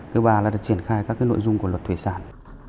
thứ ba là triển khai các nội dung của luật thủy sản